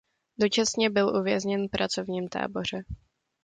Dočasně byl uvězněn v pracovním táboře.